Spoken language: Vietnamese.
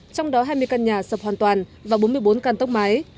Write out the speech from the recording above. trong đó hai mươi căn nhà sập hoàn toàn và bốn mươi bốn căn tốc mái